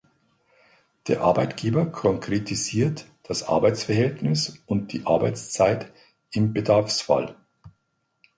Der Arbeitgeber konkretisiert das Arbeitsverhältnis und die Arbeitszeit im Bedarfsfall.